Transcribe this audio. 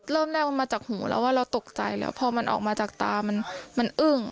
เริ่มแรกมันมาจากหูแล้วว่าเราตกใจแล้วพอมันออกมาจากตามันอึ้ง